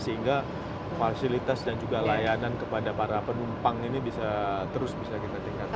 sehingga fasilitas dan juga layanan kepada para penumpang ini bisa terus bisa kita tingkatkan